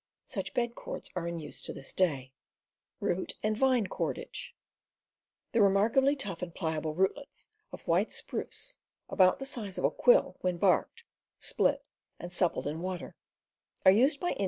Such bed cords are in use to this day. The remarkably tough and pliable rootlets of white spruce, about the size of a quill, when barked, split, P J and suppled in water, are used by In y.